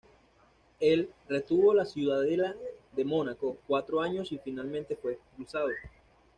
Él retuvo la ciudadela de Mónaco cuatro años y finalmente fue expulsado.